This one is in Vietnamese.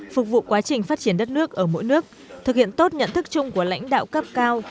phục vụ quá trình phát triển đất nước ở mỗi nước thực hiện tốt nhận thức chung của lãnh đạo cấp cao